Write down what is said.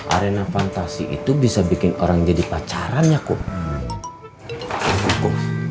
arena fantasi itu bisa bikin orang jadi pacarannya kok